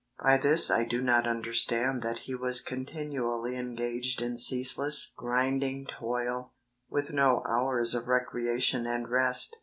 By this I do not understand that He was continually engaged in ceaseless, grinding toil, with no hours of recreation and rest.